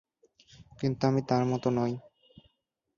কিন্তু আমি তার মতো নই।